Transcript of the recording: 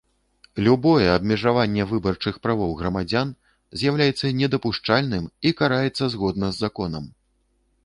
Любое абмежаванне выбарчых правоў грамадзян з’яўляецца недапушчальным і караецца згодна з законам.